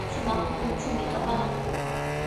Shumaq punchuumi kapaman.